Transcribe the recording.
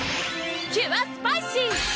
キュアスパイシー！